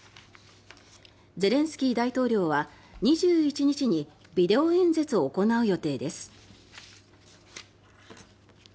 ゼレンスキー大統領は２１日にビデオ演説を行う予定です。